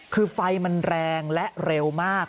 คือไฟมันแรงและเร็วมาก